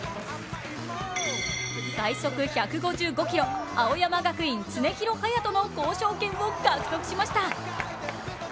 最速１５５キロ、青山学院・常廣羽也斗の交渉権を獲得しました。